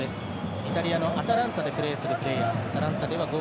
イタリアのアタランタでプレーするプレーヤー。